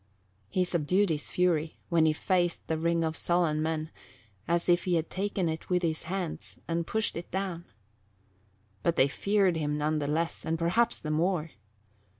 He subdued his fury, when he faced the ring of sullen men, as if he had taken it with his hands and pushed it down. But they feared him none the less, and perhaps the more.